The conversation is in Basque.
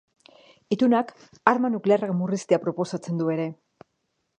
Itunak arma nuklearrak murriztea proposatzen du ere.